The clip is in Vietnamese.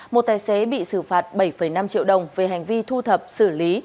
một tài xế bị xử phạt bảy năm triệu đồng về hành vi thu thập xử lý